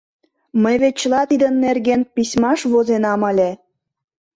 — Мый вет чыла тидын нерген письмаш возенам ыле.